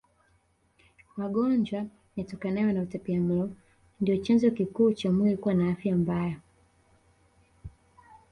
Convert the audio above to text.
Magonjwa yatokanayo na utapiamlo ndio chanzo kikuu cha mwili kuwa na afya mbaya